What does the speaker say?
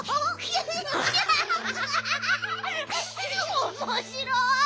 おもしろい！